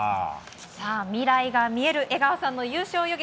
未来が見える江川さんの優勝予言。